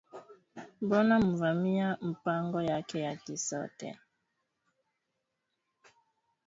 Bana muvamia mpango yake ya kisote